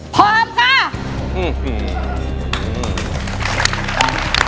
พร้อมค่ะ